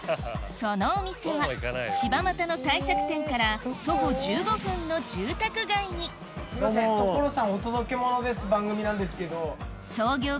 そのお店は柴又の帝釈天から徒歩１５分の住宅街に『所さんお届けモノです！』って番組なんですけど。